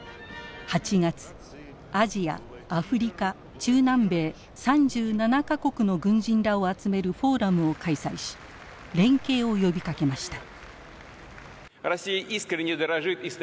８月アジア・アフリカ・中南米３７か国の軍人らを集めるフォーラムを開催し連携を呼びかけました。